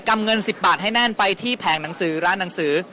ำเงิน๑๐บาทให้แน่นไปที่แผงหนังสือร้านหนังสือ